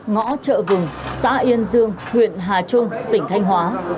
ngõ chợ vừng xã yên dương huyện hà trung tỉnh thanh hóa